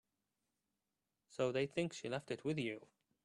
So they think she left it with you.